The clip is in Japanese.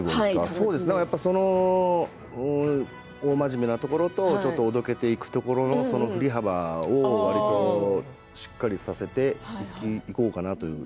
そうですね、大真面目なところとちょっとおどけていくところの振り幅をわりと、しっかりさせていこうかなという。